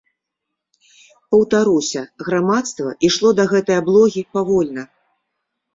Паўтаруся, грамадства ішло да гэтай аблогі павольна.